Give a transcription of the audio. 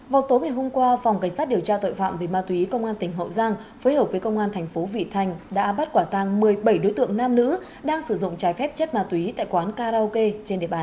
vào tối ngày hôm qua phòng cảnh sát điều tra tội phạm về ma túy công an tỉnh hậu giang phối hợp với công an thành phố vị thành đã bắt quả tăng một mươi bảy đối tượng nam nữ đang sử dụng trái phép chất ma túy tại quán karaoke trên địa bàn